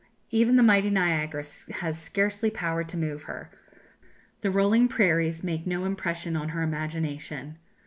Even the mighty Niagara has scarcely power to move her; the rolling prairies make no impression on her imagination.